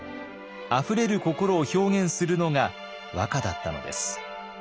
あふれる心を表現するのが和歌だったのです。